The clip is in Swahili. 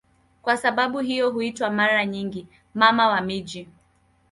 Kwa sababu hiyo huitwa mara nyingi "Mama wa miji".